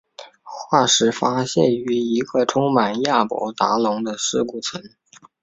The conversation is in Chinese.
化石发现于一个充满亚伯达龙的尸骨层。